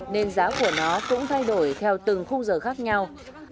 nên giá của nó cũng thay đổi theo từng khung giờ khác nhau